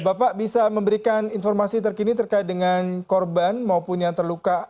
bapak bisa memberikan informasi terkini terkait dengan korban maupun yang terluka